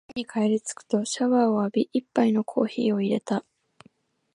家に帰りつくとシャワーを浴び、一杯のコーヒーを淹れた。